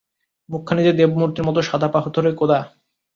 মুখখানি যে দেবমূর্তির মতো সাদা-পাথরে কোঁদা।